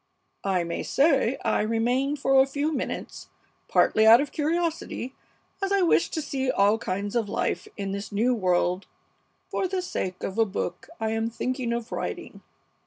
I may say I remained for a few minutes, partly out of curiosity, as I wished to see all kinds of life in this new world for the sake of a book I am thinking of writing.